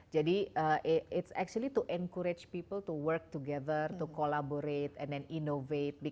jadi itu sebenarnya untuk mengajak orang untuk bekerja bersama untuk berkolaborasi dan inovasi